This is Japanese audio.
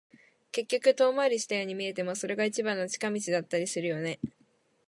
結局、遠回りしたように見えても、それが一番の近道だったりするよね。